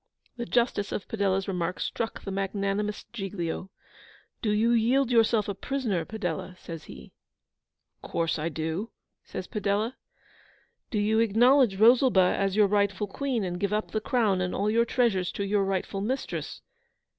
The justice of Padella's remark struck the magnanimous Giglio. 'Do you yield yourself a prisoner, Padella?' says he. 'Of course I do,' says Padella. 'Do you acknowledge Rosalba as your rightful Queen, and give up the crown and all your treasures to your rightful mistress?